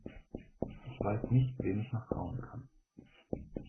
Ich weiß nicht, wem ich noch trauen kann.